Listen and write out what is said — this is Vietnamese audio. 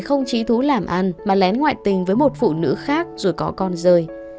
không trí thú làm ăn mà lén ngoại tình với một phụ nữ khác rồi có con rơi